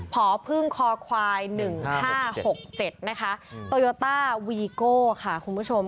พอพึ่งคอควาย๑๕๖๗นะคะโตโยต้าวีโก้ค่ะคุณผู้ชม